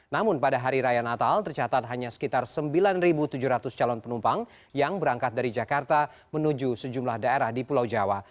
namun pada hari raya natal tercatat hanya sekitar sembilan tujuh ratus calon penumpang yang berangkat dari jakarta menuju sejumlah daerah di pulau jawa